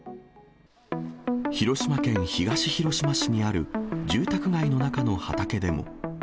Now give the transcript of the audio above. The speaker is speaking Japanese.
広島県東広島市にある住宅街の中の畑でも。